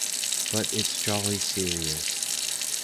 But it's jolly serious.